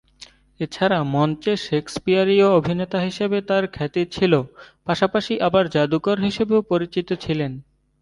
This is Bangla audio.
এছাড়া মঞ্চে শেক্সপিয়ারীয় অভিনেতা হিসেবে তার খ্যাতি ছিল, পাশাপাশি আবার জাদুকর হিসেবেও পরিচিত ছিলেন।